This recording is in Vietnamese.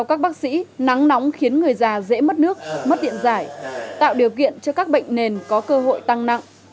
các bác sĩ nắng nóng khiến người già dễ mất nước mất điện giải tạo điều kiện cho các bệnh nền có cơ hội tăng nặng